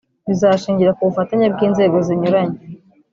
bizashingira ku bufatanye bw’inzego zinyuranye